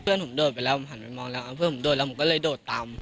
เพื่อนผมโดดไปแล้วผมหันไปมองแล้วเพื่อนผมโดดแล้วผมก็เลยโดดตาม